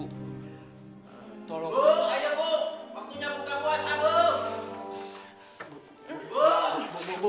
bu ayo bu waktunya buka puasa bu